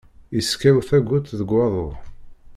Iskaw tagut deg waḍu.